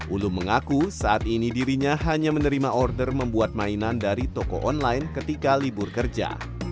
ulum mengaku saat ini dirinya hanya menerima order membuat mainan dari toko online ketika libur kerja